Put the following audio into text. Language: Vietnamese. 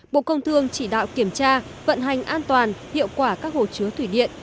bộ công thương chỉ đạo kiểm tra vận hành an toàn hiệu quả các hồ chứa thủy điện